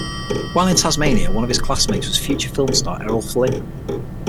While in Tasmania one of his classmates was future film star Errol Flynn.